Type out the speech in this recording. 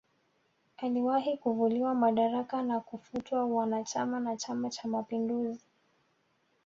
Aliwahi kuvuliwa madaraka na kufutwa uanachama wa chama cha mapinduzi